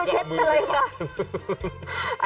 เอามือปัดเลยค่ะ